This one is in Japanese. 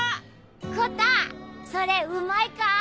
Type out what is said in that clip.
コタそれうまいか？